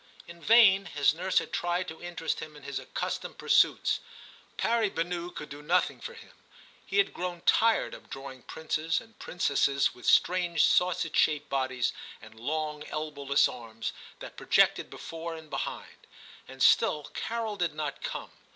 In vain his nurse had tried to interest him in his accustomed pursuits. Pari banou could do nothing for him ; he had grown tired of drawing princes and princesses with strange sausage shaped bodies and long elbowless arms that projected before and behind ; and still Carol did not come.